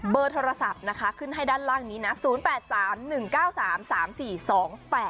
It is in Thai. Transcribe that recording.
เบอร์โทรศัพท์นะคะขึ้นให้ด้านล่างนี้นะ